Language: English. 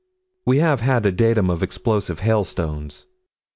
We have had a datum of explosive hailstones.